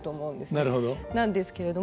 なるほど。